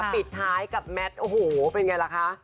ปิดท้ายกับแมทโอ้โหเป็นไงล่ะคะ